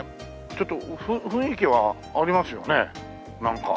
ちょっと雰囲気はありますよねなんか。